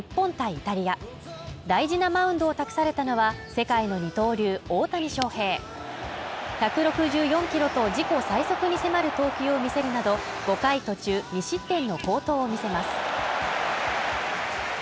イタリア大事なマウンドを託されたのは世界の二刀流大谷翔平１６４キロと自己最速に迫る投球を見せるなど、５回途中２失点の好投を見せます。